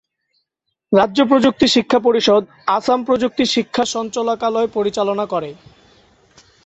রাজ্য প্রযুক্তি শিক্ষা পরিষদ আসাম প্রযুক্তি শিক্ষা সঞ্চালকালয় পরিচালনা করে।